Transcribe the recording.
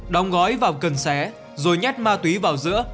đóng gói vào cần xé rồi nhét ma túy vào giữa